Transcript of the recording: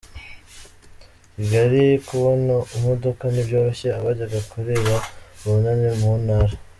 Kigali Kubona imodoka ntibyoroheye abajyaga kurira Ubunani mu ntara